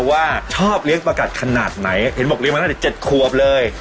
ว่าชอบเลี้ยงประกัดขนาดไหนเห็นบอกเลี้ยมาตั้งแต่๗ขวบเลย